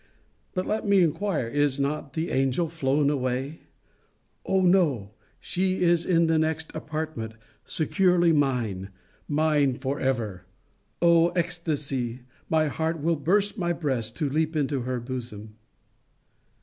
But let me inquire, is not the angel flown away? O no! She is in the next apartment! Securely mine! Mine for ever! O ecstasy! My heart will burst my breast, To leap into her bosom!